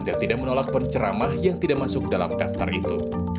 dan tidak menolak penceramah yang tidak masuk dalam daftar itu